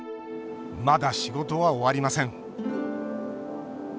まだ仕事は終わりません。